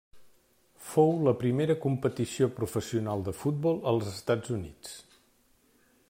Fou la primera competició professional de futbol als Estats Units.